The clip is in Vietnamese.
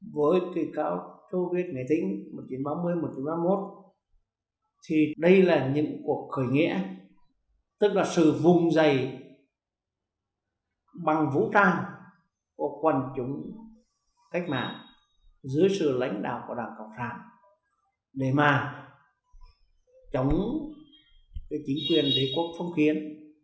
giữa sự lãnh đạo của đảng cộng sản để mà chống chính quyền đế quốc phong khiến